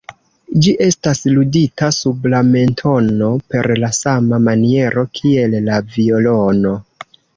Ĝi estas ludita sub la mentono per la sama maniero kiel la violono.